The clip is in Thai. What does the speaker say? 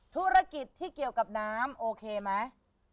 ธุรกิจที่เกี่ยวกับน้ำโอเคไหม